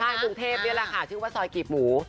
ใช่สรุปที่สรุปที่กรุงเทพเพียงว่าซอยกิบหมู